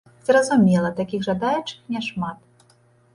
Зразумела, такіх жадаючых няшмат.